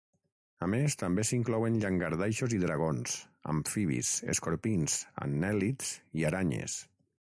A més també s'inclouen llangardaixos i dragons, amfibis, escorpins, anèl·lids i aranyes.